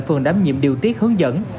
phường đám nhiệm điều tiết hướng dẫn